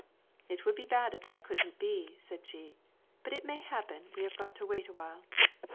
'It would be bad if that couldn't be,' said she, 'but it may happen we have got to wait awhile.'